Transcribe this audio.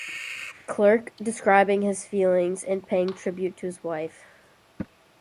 Clerk, describing his feelings and paying tribute to his wife.